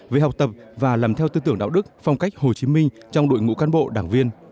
về học tập và làm theo tư tưởng đạo đức phong cách hồ chí minh trong đội ngũ cán bộ đảng viên